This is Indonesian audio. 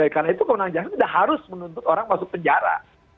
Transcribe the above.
karena itu kewenangan jasa sudah harus menuntut orang masuk penjara